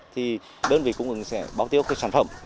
thì đơn vị cung ứng sẽ báo tiêu các sản phẩm